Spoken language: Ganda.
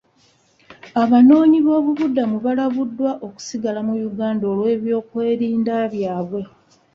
Abanoonyiboobubudamu balabuddwa okusigala mu Uganda olw'ebyokwerinda byabwe.